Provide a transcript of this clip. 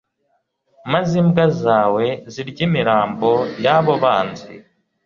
maze imbwa zawe zirye imirambo y’abo banzi»